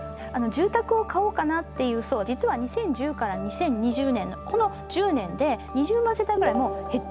住宅を買おうかなっていう層は実は２０１０から２０２０年のこの１０年で２０万世帯ぐらいもう減ってるんですね。